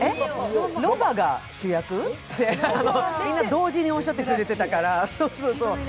ロバが主役？って、みんな同時におっしゃってくれていたから。